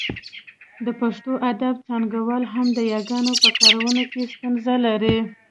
د پښتو ادب څانګوال هم د یاګانو په کارونه کې ستونزه لري